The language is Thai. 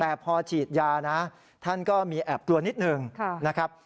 แต่พอฉีดยานะท่านก็มีแอบกลัวนิดหนึ่งนะครับ